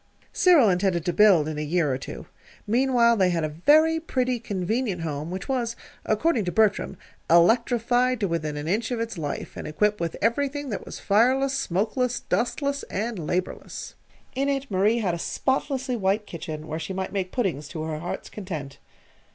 Cyril intended to build in a year or two. Meanwhile they had a very pretty, convenient home which was, according to Bertram, "electrified to within an inch of its life, and equipped with everything that was fireless, smokeless, dustless, and laborless." In it Marie had a spotlessly white kitchen where she might make puddings to her heart's content.